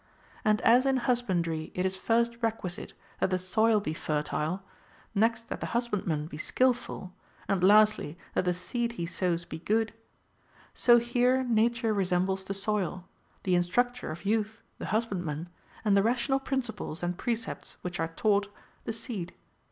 And as in hus bandry it is first requisite that the soil be fertile, next that the husbandman be skilful, and lastly that the seed he sows be good; so here nature resembles the soil, the in structor of youth the husbandman, and the rational princi ples and precepts Avhich are taught, the seed.